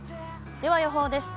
では予報です。